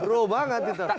bro banget gitu